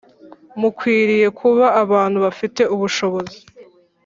mukwiriye kuba abantu bafite ubushobozi